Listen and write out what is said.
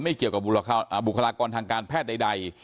เกี่ยวกับบุคลากรทางการแพทย์ใด